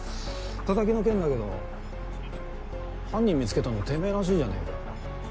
タタキの件だけど犯人見つけたのてめぇらしいじゃねぇか。